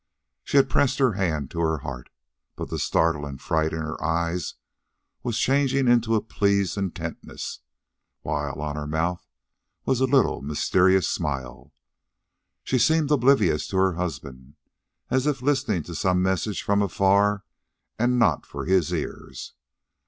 One hand she had pressed to her heart; but the startle and fright in her eyes was changing into a pleased intentness, while on her mouth was a little mysterious smile. She seemed oblivious to her husband, as if listening to some message from afar and not for his ears.